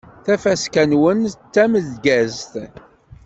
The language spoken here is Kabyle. Tafaska-nwen d tameggazt!